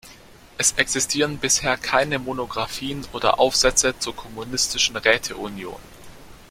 Es existieren bisher keine Monographien oder Aufsätze zur Kommunistischen Räte-Union.